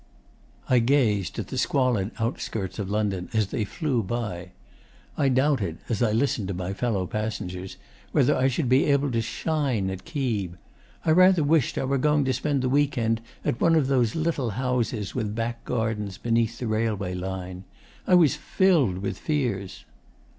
'I gazed at the squalid outskirts of London as they flew by. I doubted, as I listened to my fellow passengers, whether I should be able to shine at Keeb. I rather wished I were going to spend the week end at one of those little houses with back gardens beneath the railway line. I was filled with fears.